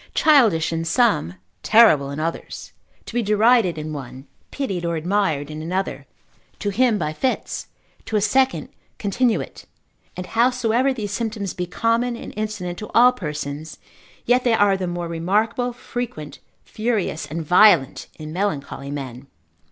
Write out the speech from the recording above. Childish in some, terrible in others; to be derided in one, pitied or admired in another; to him by fits, to a second continuate: and howsoever these symptoms be common and incident to all persons, yet they are the more remarkable, frequent, furious and violent in melancholy men.